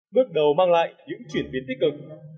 bước đầu mang lại những chuyển biến tích cực